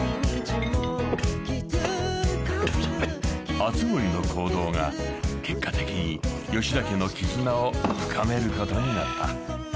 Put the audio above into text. ［熱護の行動が結果的に吉田家の絆を深めることになった］